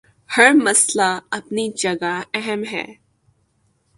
ہر مسئلہ اپنی جگہ اہم ہے۔